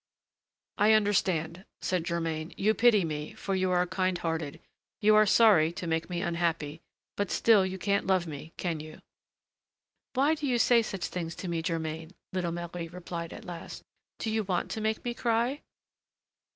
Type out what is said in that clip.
"I understand," said Germain; "you pity me, for you are kind hearted; you are sorry to make me unhappy; but still you can't love me, can you?" "Why do you say such things to me, Germain?" little Marie replied at last, "do you want to make me cry?"